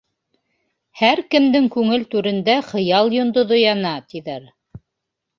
Һәр кемдең күңел түрендә хыял йондоҙо яна, тиҙәр.